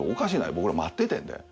僕ら待っててんで。